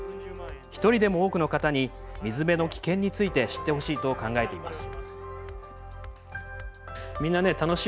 一人でも多くの方に水辺の危険について知ってほしいと考えています。